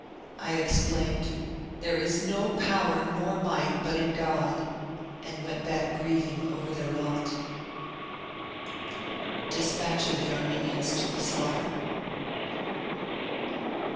I exclaimed, " There is no power nor might but in God," and went back grieving over their lot. DESPATCH OF THE ARMENIANS TO THE SLAUGHTER.